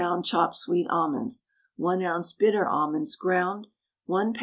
chopped sweet almonds, 1 oz. bitter almonds (ground), 1 lb.